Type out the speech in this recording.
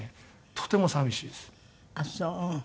とても寂しいです。